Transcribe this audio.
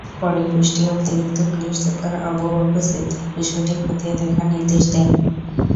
পরে কুষ্টিয়া অতিরিক্ত police super Abu Bakar Siddique বিষয়টি খতিয়ে দেখার নির্দেশ দেন।